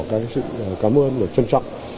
cảm ơn và trân trọng